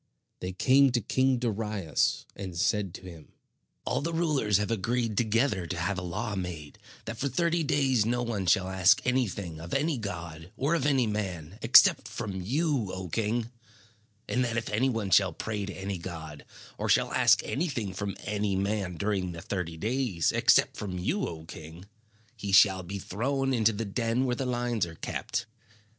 They came to King Darius, and said to him: "All the rulers have agreed together to have a law made that for thirty days no one shall ask anything of any god or of any man, except from you, O king; and that if any one shall pray to any god, or shall ask anything from any man during the thirty days, except from you, O king, he shall be thrown into the den where the lions are kept.